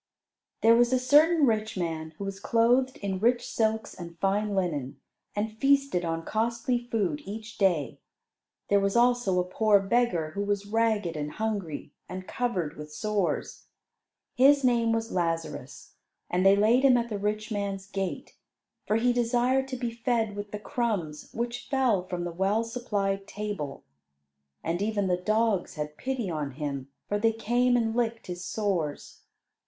There was a certain rich man who was clothed in rich silks and fine linen, and feasted on costly food each day. There was also a poor beggar, who was ragged and hungry, and covered with sores. His name was Lazarus, and they laid him at the rich man's gate, for he desired to be fed with the crumbs which fell from the well supplied table. And even the dogs had pity on him, for they came and licked his sores.